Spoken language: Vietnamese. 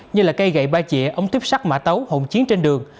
như cây gậy ba chĩa ống tuyếp sắt mã tấu hỗn chiến trên đường